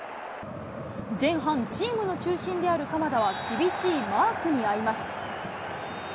前半、チームの中心である鎌田は厳しいマークにあいます。